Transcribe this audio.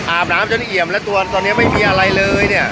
อาบน้ำจนเอี่ยมและตัวตอนนี้ไม่มีอะไรเลยเนี่ย